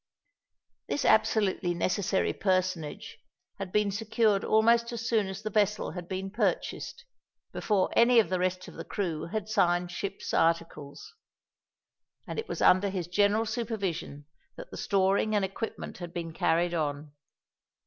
This absolutely necessary personage had been secured almost as soon as the vessel had been purchased, before any of the rest of the crew had signed ship's articles; and it was under his general supervision that the storing and equipment had been carried on.